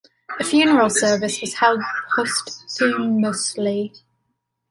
A funeral service was held posthumously.